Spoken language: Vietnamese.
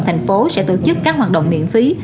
thành phố sẽ tổ chức các hoạt động miễn phí